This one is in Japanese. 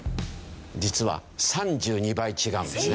実は３２倍違うんですね。